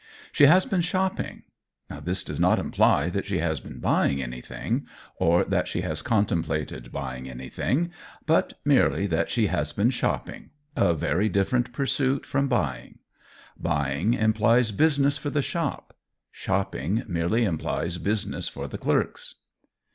She has been shopping. This does not imply that she has been buying anything or that she has contemplated buying anything, but merely that she has been shopping a very different pursuit from buying. Buying implies business for the shop; shopping merely implies business for the clerks.